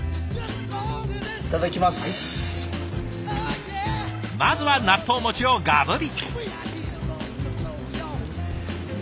まずは納豆をガブリ！